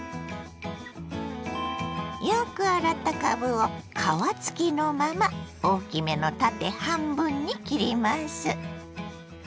よく洗ったかぶを皮付きのまま大きめの縦半分に切ります。